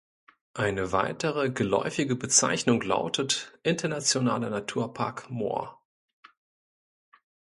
Eine weitere geläufige Bezeichnung lautet "Internationaler Naturpark Moor".